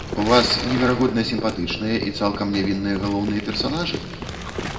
У вас неверагодна сімпатычныя і цалкам нявінныя галоўныя персанажы?